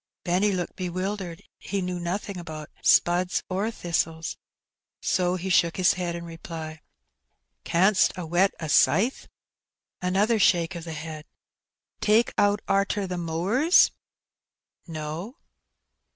'' Benny looked bewildered. He knew nothing about '^ spuds" or 'Hhistles/' so he shook his head in reply. " Canst a whet a scythe ?" Another shake of the head. '^ Take out arter the mowers ?"" No."